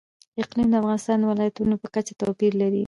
اقلیم د افغانستان د ولایاتو په کچه توپیر لري.